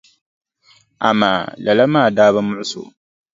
Amaa lala maa daa bi muɣisi o.